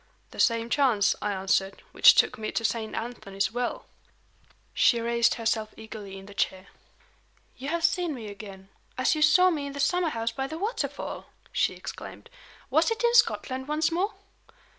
"The same chance," I answered, "which took me to Saint Anthony's Well." She raised herself eagerly in the chair. "You have seen me again as you saw me in the summer house by the waterfall!" she exclaimed. "Was it in Scotland once more?"